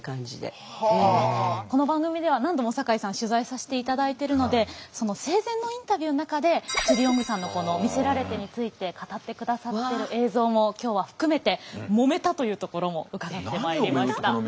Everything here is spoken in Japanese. この番組では何度も酒井さん取材させていただいてるのでその生前のインタビューの中でジュディ・オングさんのこの「魅せられて」について語ってくださってる映像も今日は含めてもめたというところも伺ってまいりました。